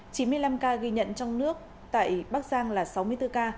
chín mươi năm ca ghi nhận trong nước tại bắc giang là sáu mươi bốn ca